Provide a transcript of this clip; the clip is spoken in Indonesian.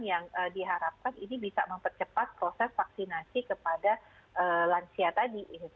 yang diharapkan ini bisa mempercepat proses vaksinasi kepada lansia tadi